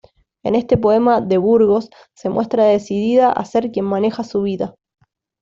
En este poema De Burgos se muestra decidida a ser quien maneja su vida.